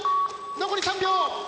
残り３秒。